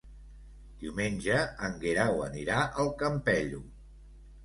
Diumenge en Guerau anirà al Campello.